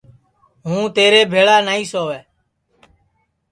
ہوں تیرے بھیݪا نائی سؤے